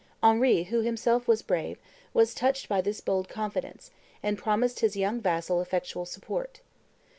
Henry, who himself was brave, was touched by this bold confidence, and promised his young vassal effectual support.